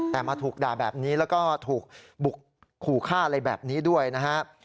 แต่มาถูกด่าแบบนี้แล้วก็ถูกบุกขู่ฆ่าอะไรแบบนี้ด้วยนะครับ